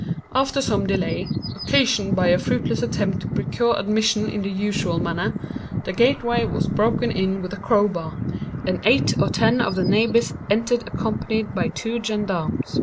After some delay, occasioned by a fruitless attempt to procure admission in the usual manner, the gateway was broken in with a crowbar, and eight or ten of the neighbors entered accompanied by two gendarmes.